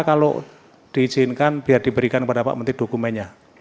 kalau diizinkan biar diberikan kepada pak menteri dokumennya